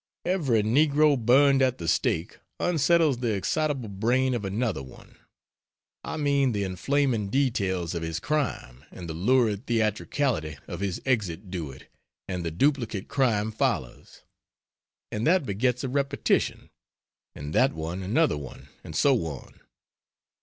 Every negro burned at the stake unsettles the excitable brain of another one I mean the inflaming details of his crime, and the lurid theatricality of his exit do it and the duplicate crime follows; and that begets a repetition, and that one another one and so on.